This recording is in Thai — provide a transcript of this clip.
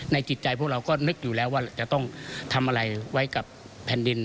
จิตใจพวกเราก็นึกอยู่แล้วว่าจะต้องทำอะไรไว้กับแผ่นดิน